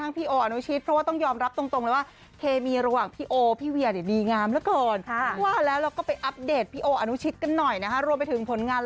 เวียเป็นคนนึงที่เพราะเวลาเขากล้าที่จะข้ามตัวเอกออกมาเป็นนักแสดง